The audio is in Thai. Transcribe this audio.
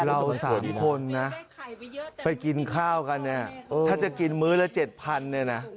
เรา๓คนนะไปกินข้าวกันเนี่ยถ้าจะกินมื้อละ๗๐๐เนี่ยนะ